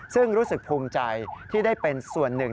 ซึ่งรู้สึกภูมิใจที่ได้เป็นส่วนหนึ่ง